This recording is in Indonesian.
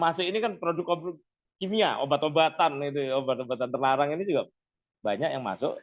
masih ini kan produk produk kimia obat obatan obat obatan terlarang ini juga banyak yang masuk